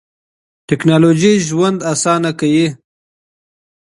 ټیکنالوژي ژوند اسانه کوي.